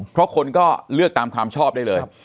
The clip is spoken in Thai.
เพราะคนก็เลือกตามความชอบได้เลย